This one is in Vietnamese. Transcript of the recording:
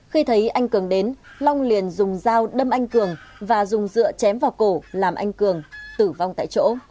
khi thấy anh cường đến long liền dùng dao đâm anh cường và dùng dựa chém vào cổ làm anh cường tử vong tại chỗ